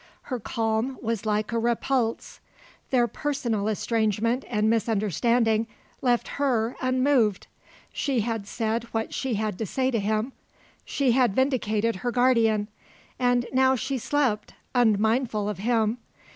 Her calm was like a repulse. Their personal estrangement and misunderstanding left her unmoved. She had said what she had to say to him; she had vindicated her guardian; and now she slept, unmindful of him.